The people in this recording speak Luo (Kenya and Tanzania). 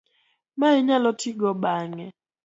ma inyalo tigo bang'e